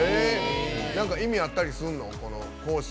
何か意味あったりするの？